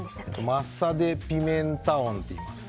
マッサ・デ・ピメンタォンっていいます。